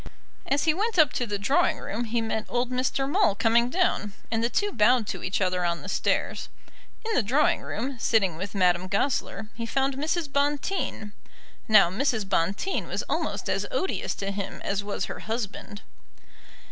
As he went up to the drawing room he met old Mr. Maule coming down, and the two bowed to each other on the stairs. In the drawing room, sitting with Madame Goesler, he found Mrs. Bonteen. Now Mrs. Bonteen was almost as odious to him as was her husband.